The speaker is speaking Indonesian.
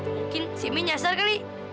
mungkin si mie nyasar kali